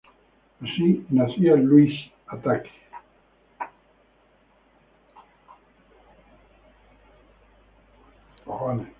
Así nacía Louise attaque.